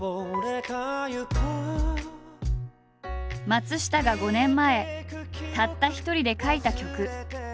松下が５年前たった一人で書いた曲。